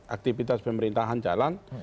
aktivitas pemerintahan jalan